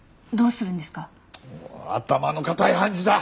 頭の固い判事だ！